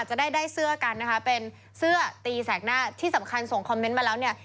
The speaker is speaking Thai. จะได้ได้เสื้อกันนะคะเป็นเสื้อตีแสกหน้าที่สำคัญส่งคอมเมนต์มาแล้วเนี่ย